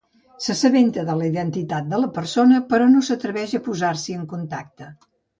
S'assabenta de la identitat de la persona, però no s'atreveix a posar-s'hi en contacte.